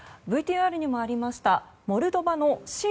ＶＴＲにもありましたモルドバの親